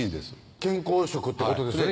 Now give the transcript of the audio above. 健康食ってことですよね